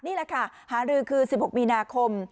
นี่แหละค่ะหารือคือ๑๖มีนาคม